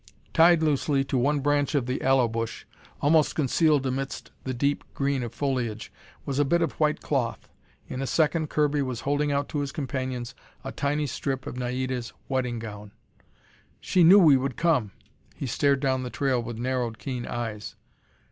Tied loosely to one branch of the aloe bush, almost concealed amidst the deep green of foliage, was a bit of white cloth! In a second Kirby was holding out to his companions a tiny strip of Naida's wedding gown. "She knew we would come!" He stared down the trail with narrowed, keen eyes.